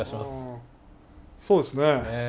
そうですね。